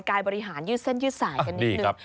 การบริหารยืดเส้นยืดสายกันนิดนึง